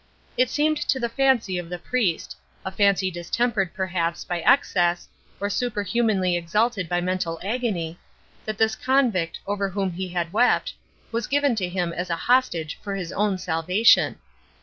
It seemed to the fancy of the priest a fancy distempered, perhaps, by excess, or superhumanly exalted by mental agony that this convict, over whom he had wept, was given to him as a hostage for his own salvation.